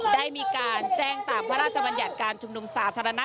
ได้มีการแจ้งตามพระราชบัญญัติการชุมนุมสาธารณะ